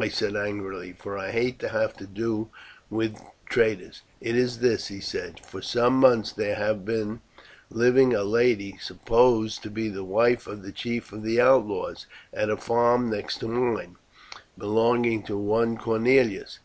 I said angrily, for I hate to have to do with traitors. 'It is this,' he said: 'for some months there has been living a lady, supposed to be the wife of the chief of the outlaws, at a farm next to mine, belonging to one Cornelius.